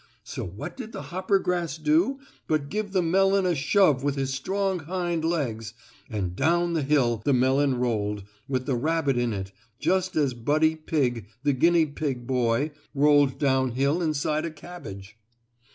So what did the hoppergrass do but give the melon a shove with his strong hind legs, and down the hill the melon rolled, with the rabbit in it, just as Buddy Pigg, the guinea pig boy, once rolled down hill inside a cabbage.